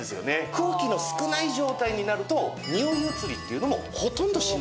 空気の少ない状態になるとにおい移りっていうのもほとんどしないです。